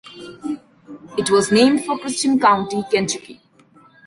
It was named for Christian County, Kentucky.